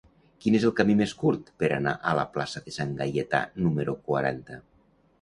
Quin és el camí més curt per anar a la plaça de Sant Gaietà número quaranta?